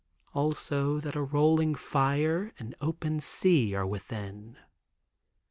Also that a rolling fire, and open sea, are within.